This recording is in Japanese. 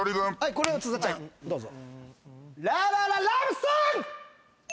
これは津田ちゃんどうぞ。